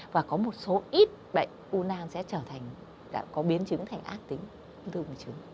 và có một số ít bệnh u nang sẽ trở thành có biến trứng thành ác tính